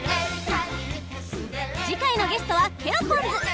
次回のゲストはケロポンズ。